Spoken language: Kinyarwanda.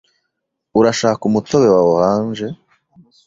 Urashaka umutobe wa orange?